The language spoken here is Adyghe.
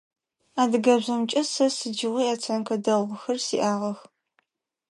Адыгэбзэмкӏэ сэ сыдигъуи оценкэ дэгъухэр сиӏагъэх.